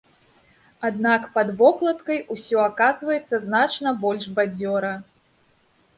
Аднак, пад вокладкай усё аказваецца значна больш бадзёра.